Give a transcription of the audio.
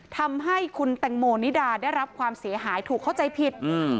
ทำให้คุณแตงโมนิดาได้รับความเสียหายถูกเข้าใจผิดอืม